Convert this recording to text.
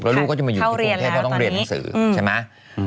แล้วลูกก็จะมาอยู่ที่กรุงเทพเพราะต้องเรียนหนังสือใช่ไหม